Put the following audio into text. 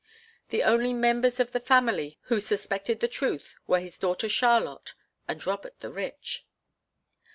The only members of the family who suspected the truth were his daughter Charlotte and Robert the Rich.